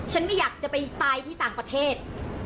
ไม่อยากจะไปตายที่ต่างประเทศ